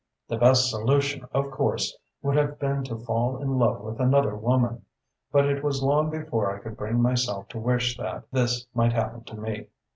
"The best solution, of course, would have been to fall in love with another woman; but it was long before I could bring myself to wish that this might happen to me....